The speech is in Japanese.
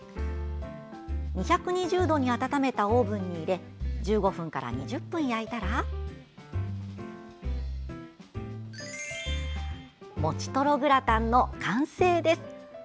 ２２０度に温めたオーブンに入れ１５分から２０分焼いたらもちトログラタンの完成です。